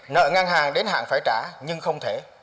nợ ngân hàng đến hạn phải trả nhưng không thể